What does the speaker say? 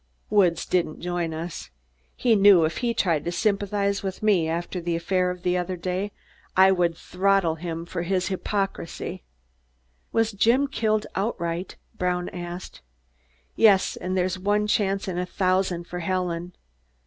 Woods didn't join us. He knew if he tried to sympathize with me, after the affair the other day, that I would throttle him for his hypocrisy. "Was Jim killed outright?" Brown asked. "Yes! And there's one chance in a thousand for Helen."